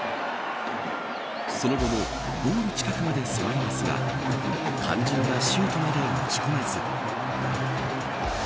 その後もゴール近くまで迫りますが肝心なシュートまで持ち込めず。